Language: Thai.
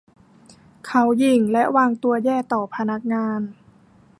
เขาหยิ่งและวางตัวแย่ต่อพนักงาน